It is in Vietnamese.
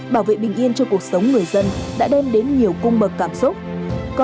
bảo vệ bình yên cho cuộc sống người dân đã đem đến nhiều cung bậc cảm xúc